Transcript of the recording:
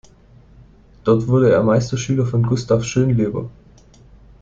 Dort wurde er Meisterschüler von Gustav Schönleber.